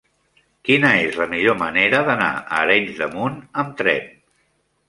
Quina és la millor manera d'anar a Arenys de Munt amb tren?